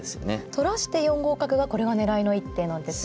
取らして４五角がこれが狙いの一手なんですね。